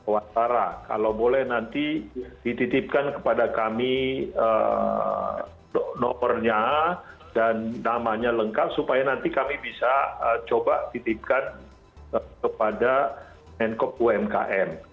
watara kalau boleh nanti dititipkan kepada kami nomornya dan namanya lengkap supaya nanti kami bisa coba titipkan kepada menkop umkm